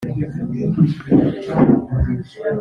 Uyumugabo ntakazi agira yirirwa yicaye kumuhanda